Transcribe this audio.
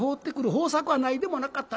方策はないでもなかった。